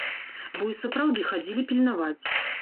Бо і сапраўды хадзілі пільнаваць.